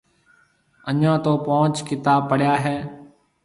اَڃي تو پونچ ڪتاب پڙيا هيَ۔